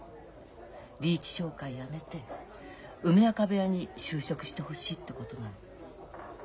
リーチ商会辞めて梅若部屋に就職してほしいってことなの。